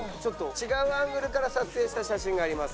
違うアングルから撮影した写真があります。